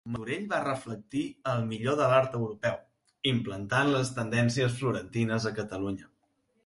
Martorell va reflectir el millor de l'art europeu, implantant les tendències florentines a Catalunya.